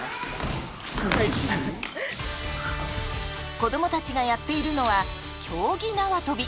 子どもたちがやっているのは競技縄跳び。